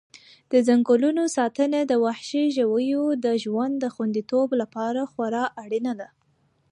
د ځنګلونو ساتنه د وحشي ژویو د ژوند د خوندیتوب لپاره خورا اړینه ده.